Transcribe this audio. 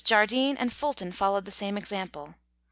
Jardine and Fulton followed the same example.